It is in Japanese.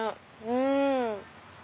うん！